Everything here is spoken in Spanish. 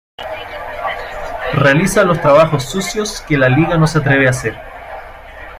Realiza los trabajos sucios que la liga no se atreve a hacer.